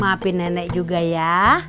maafin nenek juga ya